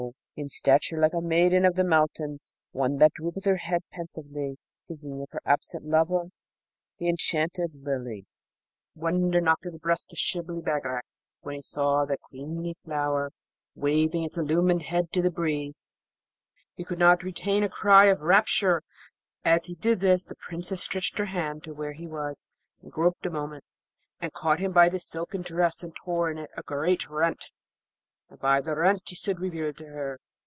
in stature like a maiden of the mountains, and one that droopeth her head pensively thinking of her absent lover, the Enchanted Lily. Wonder knocked at the breast of Shibli Bagarag when he saw that queenly flower waving its illumined head to the breeze: he could not retain a cry of rapture. As he did this the Princess stretched her hand to where he was and groped a moment, and caught him by the silken dress and tore in it a great rent, and by the rent he stood revealed to her.